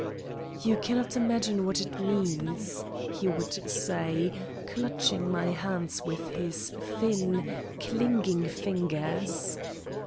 "You cannot imagine what it means," he would say, clutching my hands with his thin, clinging fingers.